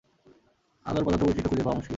আলোর পদার্থ-বৈশিষ্ট্য খুঁজে পাওয়া মুশকিল।